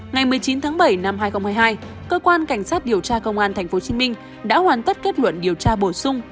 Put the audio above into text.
ngày một mươi chín tháng bảy năm hai nghìn hai mươi hai cơ quan cảnh sát điều tra công an tp hcm đã hoàn tất kết luận điều tra bổ sung